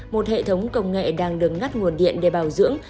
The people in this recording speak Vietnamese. một hệ thống công nghệ đang đứng ngắt nguồn điện để bảo dưỡng